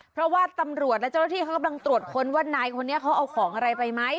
เพราะว่าตำรวจก็บางที่บางอย่างตรวจค้นว่านายคนเนี่ยเขาเอาของอะไรไปไหม